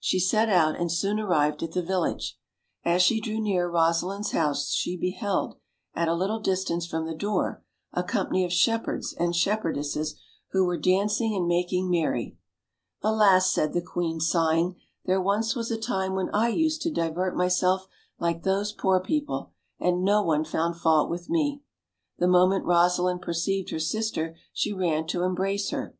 She set out, and soon ar rived at the village. As she drew near Eosalind's house she beheld, at a little distance from the door, a company of shepherds and shepherdesses, who were dancing and making merry. "Alas!" said the queen, sighing, "there once was a time when I used to divert myself like those poor people, and no one found fault with me." The moment Eosalind perceived her sister she ran to em brace her.